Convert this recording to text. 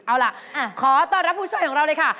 เอาล่ะขอต้อนรับผู้ช่วยของเราเลยค่ะ